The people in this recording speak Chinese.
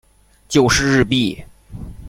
九十日币